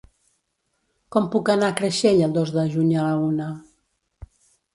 Com puc anar a Creixell el dos de juny a la una?